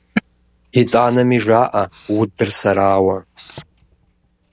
ИтӀанэми жаӀэ удыр сэрауэ!